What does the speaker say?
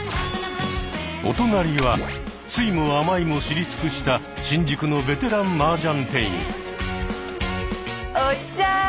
お隣は酸いも甘いも知り尽くした新宿のベテランマージャン店員。